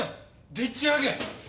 でっち上げ！